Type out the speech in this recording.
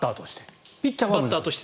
バッターとして？